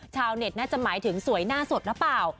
ชาวเน็ตน่าจะหมายถึงสวยหน้าสดหรือเปล่า